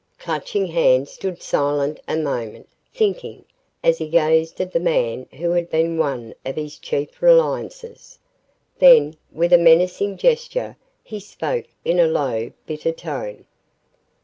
Clutching Hand stood silent a moment, thinking, as he gazed at the man who had been one of his chief reliances. Then, with a menacing gesture, he spoke in a low, bitter tone.